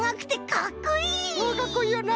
かっこいいよな。